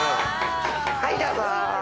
はい、どうぞ。